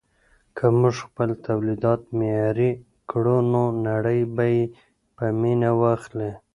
که موږ خپل تولیدات معیاري کړو نو نړۍ به یې په مینه واخلي.